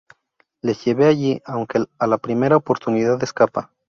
Les lleva allí, aunque a la primera oportunidad escapa.